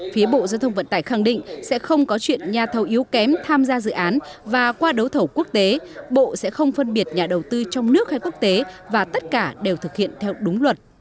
phía bộ giao thông vận tải khẳng định sẽ không có chuyện nhà thầu yếu kém tham gia dự án và qua đấu thầu quốc tế bộ sẽ không phân biệt nhà đầu tư trong nước hay quốc tế và tất cả đều thực hiện theo đúng luật